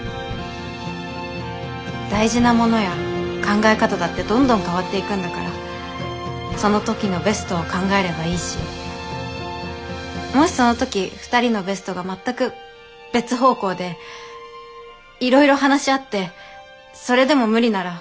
大事なものや考え方だってどんどん変わっていくんだからその時のベストを考えればいいしもしその時二人のベストが全く別方向でいろいろ話し合ってそれでも無理なら。